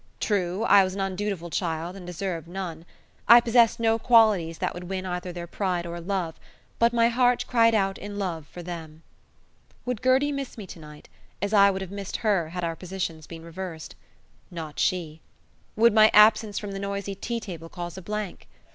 True, I was an undutiful child, and deserved none. I possessed no qualities that would win either their pride or love, but my heart cried out in love for them. Would Gertie miss me tonight, as I would have missed her had our positions been reversed? Not she. Would my absence from the noisy tea table cause a blank?